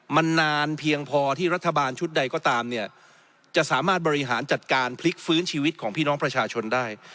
มันนานเพียงพอที่รัฐบาลชุดใดก็ตามเนี่ยจะสามารถบริหารจัดการพลิกฟื้นชีวิตของพี่น้องประชาชนได้